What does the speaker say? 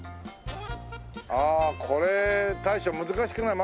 ああこれ大将難しくない？